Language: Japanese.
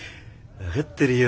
分かってるよ。